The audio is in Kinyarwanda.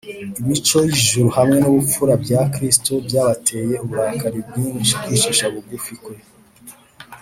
imico y’ijuru hamwe n’ubupfura bya kristo byabateye uburakari bwinshi kwicisha bugufi kwe,